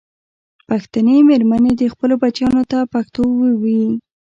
پښتنې مېرمنې دې خپلو بچیانو ته پښتو ویې ویي.